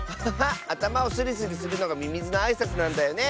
あたまをスリスリするのがミミズのあいさつなんだよね。